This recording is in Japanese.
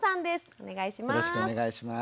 お願いします。